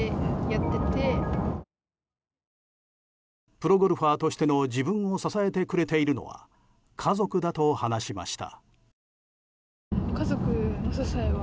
プロゴルファーとしての自分を支えてくれているのは家族だと話しました。